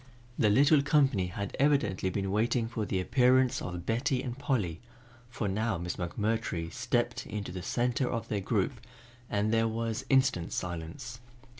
The little company had evidently been waiting for the appearance of Betty and Polly, for now Miss McMurtry stepped into the center of their group and there was instant silence.